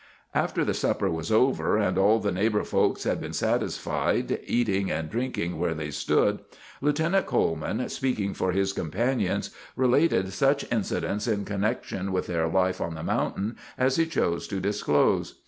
After the supper was over, and all the neighbor folks had been satisfied, eating and drinking where they stood, Lieutenant Coleman, speaking for his companions, related such incidents in connection with their life on the mountain as he chose to disclose.